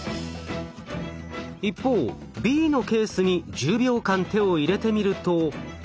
一方Ｂのケースに１０秒間手を入れてみると。